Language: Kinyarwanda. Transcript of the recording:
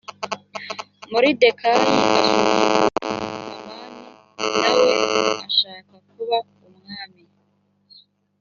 moridekayi asuzugura hamani na we ashaka kuba umwami